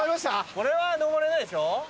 これは上れないでしょ？